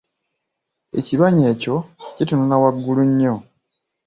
Ekibanyi ekyo kitunula waggulu nnyo.